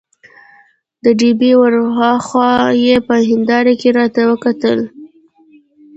د ډبې ور هاخوا یې په هندارې کې راته وکتل.